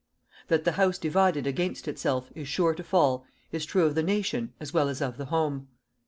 That the house divided against itself is sure to fall is true of the nation as well as of the home.